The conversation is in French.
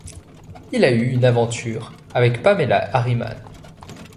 Il a eu une aventure avec Pamela Harriman.